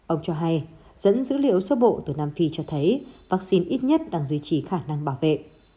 ông cho hay dẫn dữ liệu sơ bộ từ nam phi cho thấy vaccine ít nhất đang duy trì khả năng bảo vệ